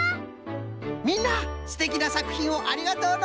みんなすてきなさくひんをありがとうの！